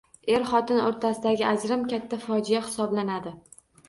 Er-xotin o‘rtasidagi ajrim katta fojea hisoblanadi.